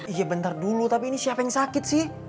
iya bentar dulu tapi ini siapa yang sakit sih